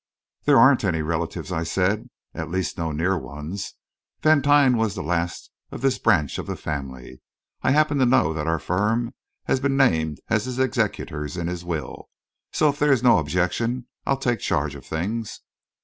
"There aren't any relatives," I said; "at least, no near ones. Vantine was the last of this branch of the family. I happen to know that our firm has been named as his executors in his will, so, if there is no objection, I'll take charge of things."